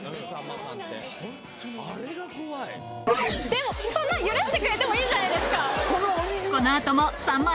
でもそんなの許してくれてもいいじゃないですか。